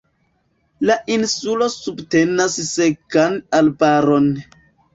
La insulo subtenas sekan arbaron.